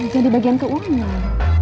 jadi bagian keuangan